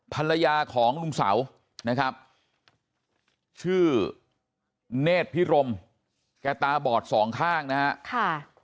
ภรรยาของลุงเสานะครับชื่อเนธพิรมแกตาบอดสองข้างนะฮะ